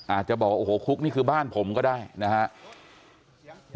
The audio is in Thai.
อาจจะบอกว่าโอ้โหคุกนี่คือบ้านผมก็ได้นะครับ